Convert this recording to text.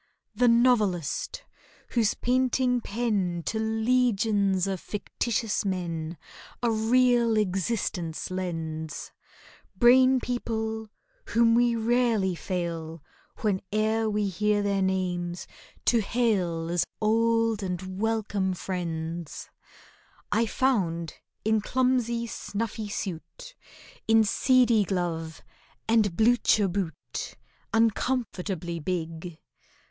The novelist, whose painting pen To legions of fictitious men A real existence lends, Brain people whom we rarely fail, Whene'er we hear their names, to hail As old and welcome friends; I found in clumsy snuffy suit, In seedy glove, and blucher boot, Uncomfortably big.